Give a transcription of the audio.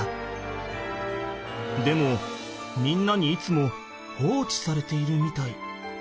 でもみんなにいつも放置されているみたい。